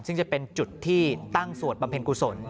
ซึ่งจะเป็นจุดที่ตั้งสวดบำเพ็ญกุศล